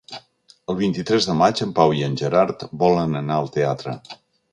El vint-i-tres de maig en Pau i en Gerard volen anar al teatre.